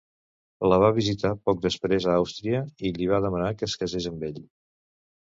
La va visitar poc després a Àustria i li va demanar que es casés amb ell.